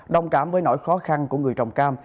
đồng cảm với nỗi khó khăn của người trồng cam